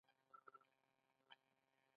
ایا ټول مرغان الوتلی شي؟